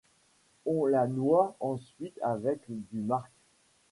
On la noie ensuite avec du marc.